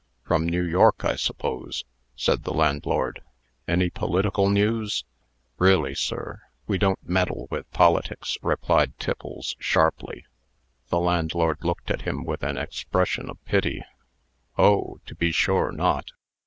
"From New York, I suppose?" said the landlord. "Any political news?" "Really, sir, we don't meddle with politics," replied Tiffles, sharply. The landlord looked at him with an expression of pity "Oh! to be sure not.